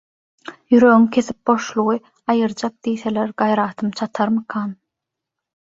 Ýüregiňi kesip boşlugy aýyrjak diýseler gaýratym çatarmykan?